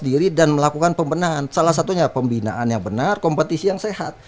diri dan melakukan pembenahan salah satunya pembinaan yang benar kompetisi yang sehat